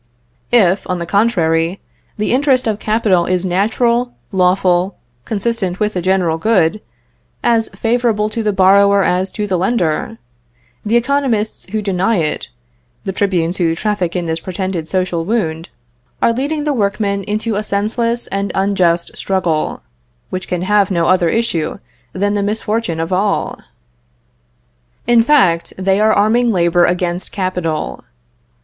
If, on the contrary, the interest of capital is natural, lawful, consistent with the general good, as favorable to the borrower as to the lender, the economists who deny it, the tribunes who traffic in this pretended social wound, are leading the workmen into a senseless and unjust struggle, which can have no other issue than the misfortune of all. In fact, they are arming labor against capital.